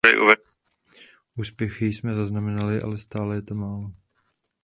Úspěchy jsme zaznamenali, ale stále to je málo.